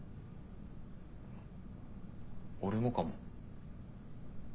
俺もかも。